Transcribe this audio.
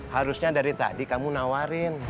harusnya dari tadi kamu nawarin